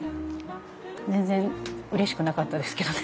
全然うれしくなかったですけどね